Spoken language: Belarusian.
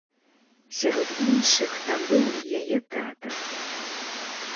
Сярод іншых там быў і яе тата.